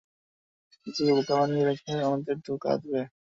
নিজেকে বোকা বানিয়ে রেখে অন্যদেরও ধোঁকা দিবে?